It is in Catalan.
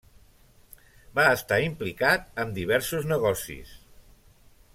Va estar implicat amb diversos negocis.